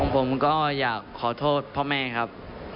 ผมก็อยากขอโทษพ่อแม่ครับ